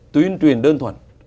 tuyên truyền đơn thuần